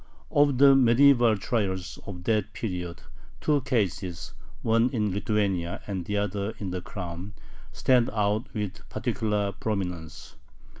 Of the medieval trials of that period two cases, one in Lithuania and the other in the Crown, stand out with particular prominence.